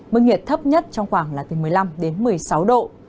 mức nhiệt thấp nhất trong khoảng là từ một mươi năm đến một mươi sáu độ